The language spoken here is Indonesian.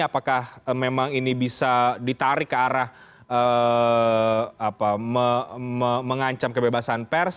apakah memang ini bisa ditarik ke arah mengancam kebebasan pers